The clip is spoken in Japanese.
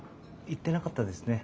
言ってなかったですね。